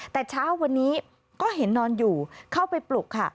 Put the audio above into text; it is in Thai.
แต่เช้าวันนี้ก็เห็นนอนอยู่เข้าไปปลุกค่ะ